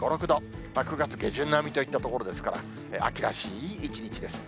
９月下旬並みといったところですから、秋らしい一日です。